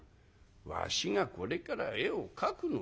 「わしがこれから絵を描くのだ。